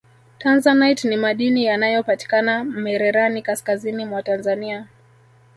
tanzanite ni madini yanayopatikana mererani kaskazini mwa tanzania